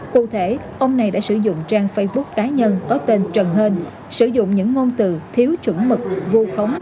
cụ thể ông này đã sử dụng trang facebook cá nhân có tên trần hên sử dụng những ngôn từ thiếu chuẩn mực vô khống